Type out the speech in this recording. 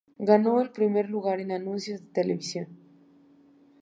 Ganó el primer lugar en anuncios de televisión.